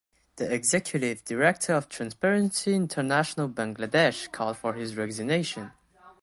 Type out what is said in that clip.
The executive director of Transparency International Bangladesh called for his resignation.